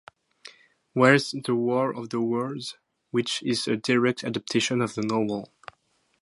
Wells' The War of the Worlds, which is a direct adaptation of the novel.